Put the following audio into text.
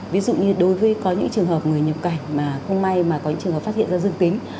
ví dụ như đối với có những trường hợp người nhập cảnh mà không may mà có những trường hợp phát hiện ra dương tính